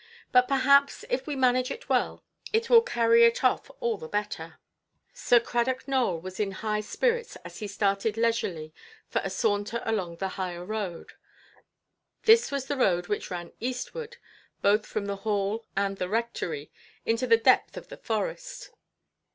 But perhaps, if we manage it well, it will carry it off all the better". Sir Cradock Nowell was in high spirits as he started leisurely for a saunter along the higher road. This was the road which ran eastward, both from the Hall and the Rectory, into the depth of the forest.